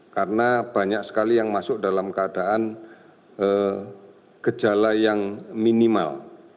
karena banyak sekali yang masuk dalam keadaan gejala yang minimal